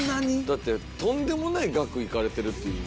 だってとんでもない額いかれてるっていう。